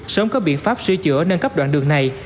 sớm có biện pháp sửa chữa nâng cấp đoạn đường này